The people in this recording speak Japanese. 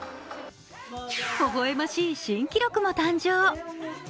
ほほ笑ましい新記録も誕生。